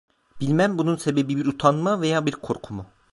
Bilmem bunun sebebi bir utanma veya bir korku mu?